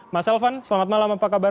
mas elvan selamat malam apa kabar